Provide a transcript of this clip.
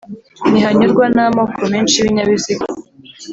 Ntihanyurwa n'amoko menshi y'ibinyabiziga